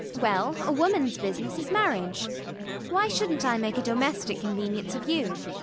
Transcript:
Well, a woman's business is marriage. Why shouldn't I make a domestic convenience of you?